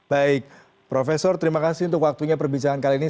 baik profesor terima kasih untuk waktunya perbincangan kali ini